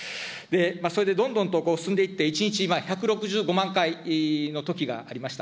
それでどんどんと進んでいって、１日１６５万回の時がありました。